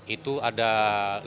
itu ada perbankan